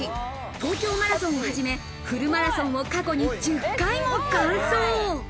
東京マラソンを始め、フルマラソンを過去に１０回も完走。